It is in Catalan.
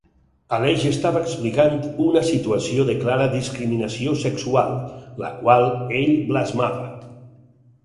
Aleix estava explicant una situació de clara discriminació sexual, la qual ell blasmava.